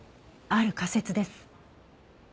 ある仮説です。